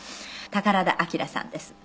宝田明さんです。